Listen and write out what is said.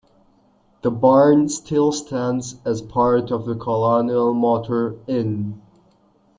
The barn still stands as part of the Colonial Motor Inn.